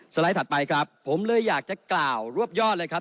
ไลด์ถัดไปครับผมเลยอยากจะกล่าวรวบยอดเลยครับ